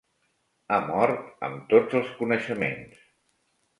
Ha mort am tots els coneixements